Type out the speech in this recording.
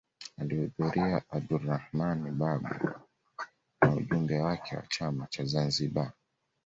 Alihudhuria Abdulrahman Babu na ujumbe wake wa chama cha Zanzibar